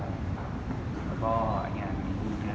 ก็ชอบเพราะว่าที่